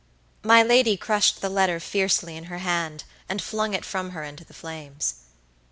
My lady crushed the letter fiercely in her hand, and flung it from her into the flames.